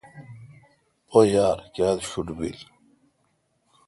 پو یار کیاتہ شوٹ بیل۔